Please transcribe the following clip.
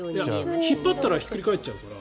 引っ張ったらひっくり返っちゃうから。